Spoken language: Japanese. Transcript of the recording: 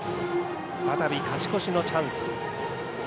再び勝ち越しのチャンス。